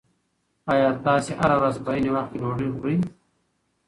ایا تاسي هره ورځ په عین وخت کې ډوډۍ خورئ؟